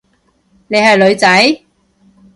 你係女仔？